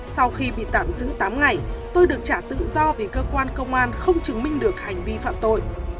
sau khi bị tạm giữ tám ngày tôi được trả tự do vì cơ quan công an không chứng minh được hành vi phạm tội